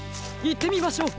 いってみましょう！